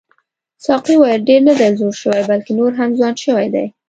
ساقي وویل ډېر نه دی زوړ شوی بلکې نور هم ځوان شوی دی.